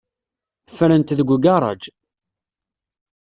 Ffrent deg ugaṛaj.